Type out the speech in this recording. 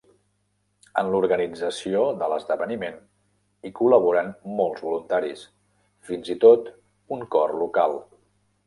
En l'organització de l'esdeveniment hi col·laboren molts voluntaris, fins i tot un cor local.